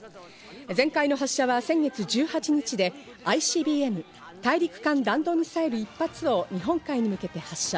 前回の発射は先月１８日で、ＩＣＢＭ＝大陸間弾道ミサイル１発を日本海に向けて発射。